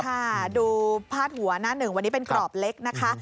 ค่ะดูพาดหัวหน้าหนึ่งวันนี้เป็นกรอบเล็กนะคะ